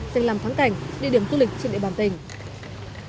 danh làm thắng cảnh địa điểm du lịch trên địa bàn tỉnh